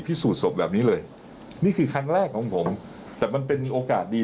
สูจนศพแบบนี้เลยนี่คือครั้งแรกของผมแต่มันเป็นโอกาสดี